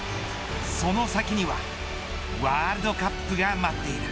その先にはワールドカップが待っている。